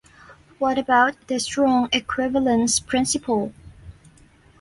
What about the Strong Equivalence Principle?